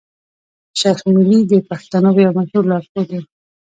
شېخ ملي د پښتنو يو مشهور لار ښود وو.